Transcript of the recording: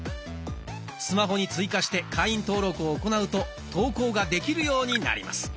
スマホに追加して会員登録を行うと投稿ができるようになります。